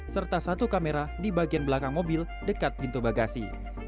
serta satu kamera di bagian belakang mobil dekat pintu bagasi